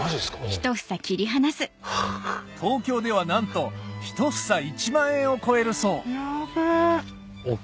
東京ではなんと１房１万円を超えるそうヤベェ。